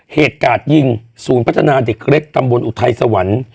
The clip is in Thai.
เหตุการณ์ยิงศูนย์พัฒนาเด็กเล็กตำบลอุทัยสวรรค์